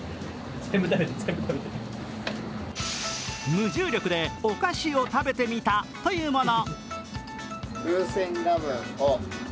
無重力でお菓子を食べてみたというもの。